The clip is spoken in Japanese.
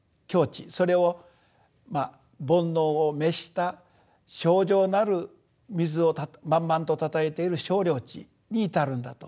それを煩悩を滅した清浄なる水を満々とたたえている清涼池に至るんだと。